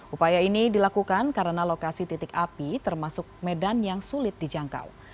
upaya ini dilakukan karena lokasi titik api termasuk medan yang sulit dijangkau